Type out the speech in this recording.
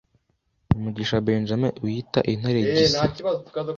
Mugisha Benjamin wiyita Intare Gisa